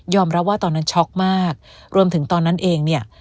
รับว่าตอนนั้นช็อกมากรวมถึงตอนนั้นเองเนี่ย